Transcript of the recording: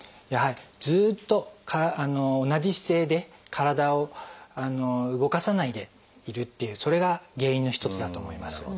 やはりずっと同じ姿勢で体を動かさないでいるっていうそれが原因の一つだと思います。